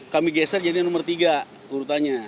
kami geser jadinya nomor tiga urutannya